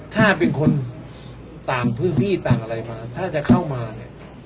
ถ้าเป็นคนต่างพื้นที่ต่างอะไรมาถ้าจะเข้ามาเนี่ย